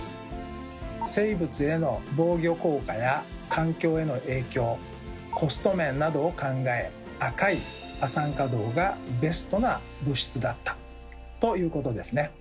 生物への防御効果や環境への影響コスト面などを考え赤い亜酸化銅がベストな物質だったということですね。